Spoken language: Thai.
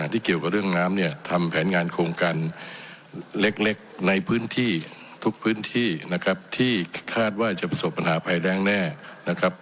ทุกพื้นที่นะครับที่คาดว่าจะประสบปัญหาภัยแรงแน่นะครับ